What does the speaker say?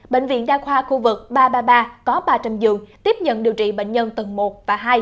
bệnh viện đa khoa khu vực ba trăm ba mươi ba có ba trăm linh giường tiếp nhận điều trị bệnh nhân tầng một và hai